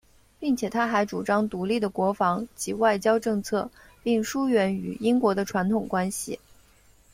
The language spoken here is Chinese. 并且他还主张独立的国防及外交政策并疏远与英国的传统关系。